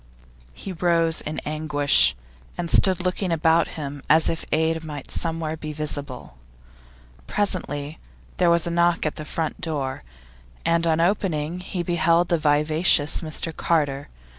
He rose in anguish, and stood looking about him as if aid might somewhere be visible. Presently there was a knock at the front door, and on opening he beheld the vivacious Mr Carter.